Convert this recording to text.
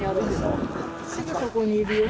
すぐそこにいるよ。